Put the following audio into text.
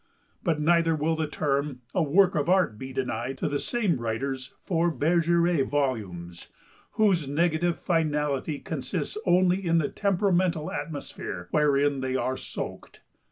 But neither will the term "a work of Art" be denied to the same writer's four "Bergeret" volumes, whose negative finality consists only in the temperamental atmosphere wherein they are soaked.